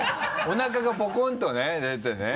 おなかがポコンとね出てね。